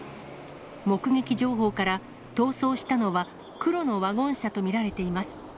目撃情報から、逃走したのは黒のワゴン車と見られています。